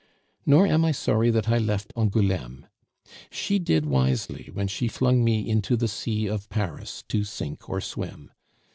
Nor am I sorry that I left Angouleme. She did wisely when she flung me into the sea of Paris to sink or swim.